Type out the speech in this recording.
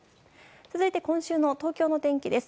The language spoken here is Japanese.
続いて、今週の東京の天気です。